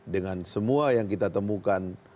dengan semua yang kita temukan